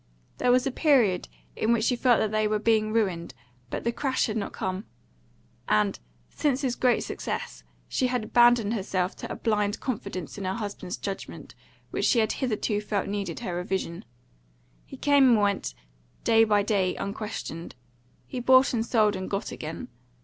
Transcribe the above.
There was a period in which she felt that they were being ruined, but the crash had not come; and, since his great success, she had abandoned herself to a blind confidence in her husband's judgment, which she had hitherto felt needed her revision. He came and went, day by day, unquestioned. He bought and sold and got gain.